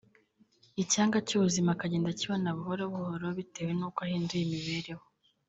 icyanga cy’ubuzima akagenda akibona buhoro buhoro bitewe n’uko ahinduye imibereho